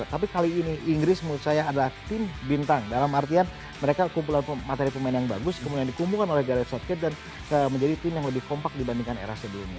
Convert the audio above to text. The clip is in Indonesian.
tapi kali ini inggris menurut saya adalah tim bintang dalam artian mereka kumpulan materi pemain yang bagus kemudian dikumpulkan oleh garet southgate dan menjadi tim yang lebih kompak dibandingkan era sebelumnya